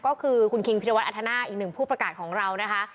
ก็คือคุณคิงพิรวัตอัธนาอีกหนึ่งผู้ประกาศของเรานะคะ